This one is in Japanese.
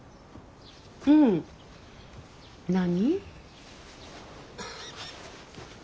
うん何？